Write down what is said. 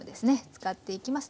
使っていきます。